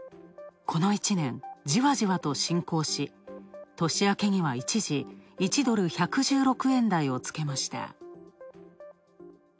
この１年、じわじわと進行し、年明けには一時、１ドル１１６円台をつけました。